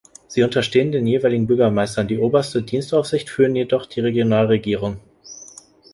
Sie unterstehen den jeweiligen Bürgermeistern, die oberste Dienstaufsicht führen jedoch die Regionalregierungen.